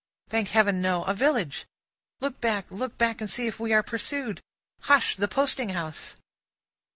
Thank Heaven, no. A village. Look back, look back, and see if we are pursued! Hush! the posting house.